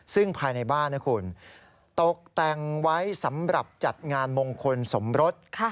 ซึ่งภายในบ้านนะคุณตกแต่งไว้สำหรับจัดงานมงคลสมรส